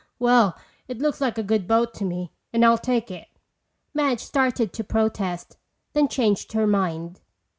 "Well, it looks like a good boat to me and I'll take it." Madge started to protest then changed her mind.